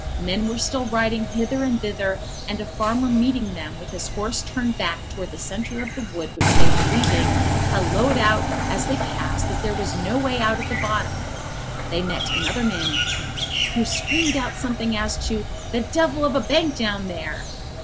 Men were still riding hither and thither; and a farmer, meeting them, with his horse turned back towards the centre of the wood which they were leaving, halloaed out as they passed that there was no way out at the bottom. They met another man in pink, who screamed out something as to "the devil of a bank down there."